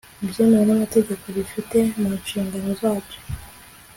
byemewe n amategeko bifite mu nshingano zabyo